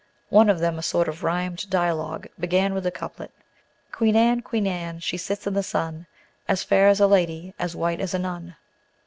One of them, a sort of rhymed dialogue, began with the couplet: "Queen Anne, Queen Anne, she sits in the sun, As fair as a lady, as white as a nun."